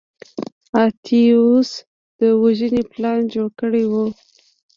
اتیوس د وژنې پلان جوړ کړی و.